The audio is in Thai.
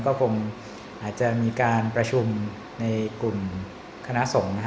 ก็คงอาจจะมีการประชุมในกลุ่มคณะสงฆ์